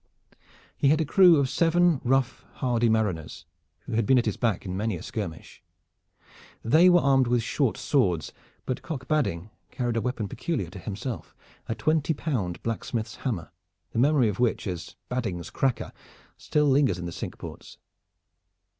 He had a crew of seven rough, hardy mariners, who had been at his back in many a skirmish. They were armed with short swords, but Cock Badding carried a weapon peculiar to himself, a twenty pound blacksmith's hammer, the memory of which, as "Badding's cracker," still lingers in the Cinque Ports.